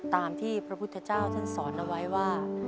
ตามที่พระพุทธเจ้าท่านสอนเอาไว้ว่า